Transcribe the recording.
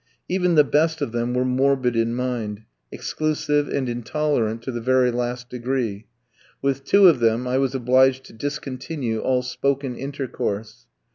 Even the best of them were morbid in mind, exclusive, and intolerant to the very last degree; with two of them I was obliged to discontinue all spoken intercourse.